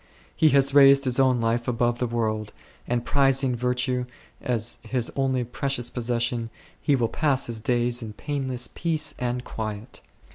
He has raised his own life above the world, and prizing virtue as his only precious possession he will pass his days in painless peace and quiet.